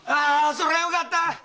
そりゃよかった‼